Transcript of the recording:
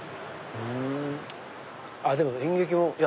でも演劇も。